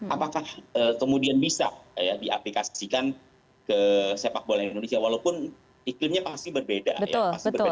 apakah kemudian bisa ya diaplikasikan ke sepak bola indonesia walaupun iklimnya pasti berbeda ya